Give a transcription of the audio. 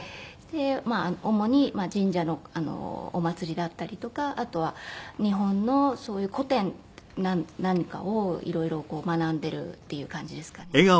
で主に神社のお祭りだったりとかあとは日本のそういう古典なんかを色々学んでるっていう感じですかね。